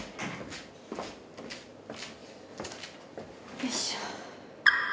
よいしょ。